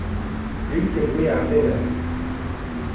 kulîlkên rûyê erde ne.